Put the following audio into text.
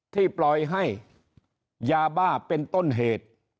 ที่ปล่อยให้ยาบ้าเป็นต้นเหตุ